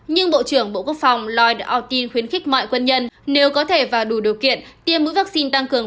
nhưng bộ trưởng bộ quốc phòng lloyd altin khuyến khích mọi quân nhân nếu có thể vào đủ điều kiện tiêm mũi vaccine tăng cường